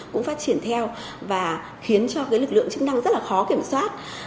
cũng phát triển theo và khiến cho lực lượng chức năng rất là khó kiểm soát